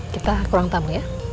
kita ke ruang tamu ya